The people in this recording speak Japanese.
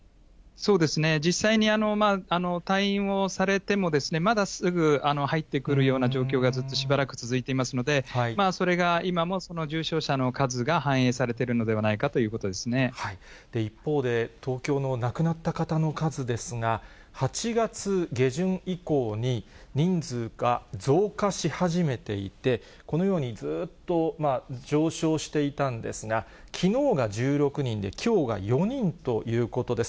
そうですね、実際に退院をされても、またすぐ入ってくるような状況がずっとしばらく続いていますので、それが今もその重症者の数が反映されているのではないかというこ一方で、東京の亡くなった方の数ですが、８月下旬以降に人数が増加し始めていて、このようにずっと上昇していたんですが、きのうが１６人で、きょうが４人ということです。